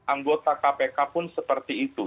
anggota kpk pun seperti itu